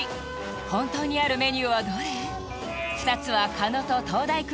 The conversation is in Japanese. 本当にあるメニューはどれ？